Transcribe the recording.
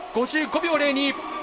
５５秒０２。